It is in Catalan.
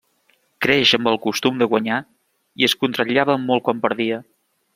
Creix amb el costum de guanyar i es contrariava molt quan perdia.